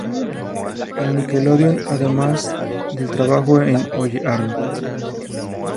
En Nickelodeon, además del trabajo en ¡Oye Arnold!